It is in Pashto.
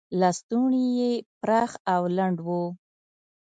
لستوڼي یې پراخ او لنډ و.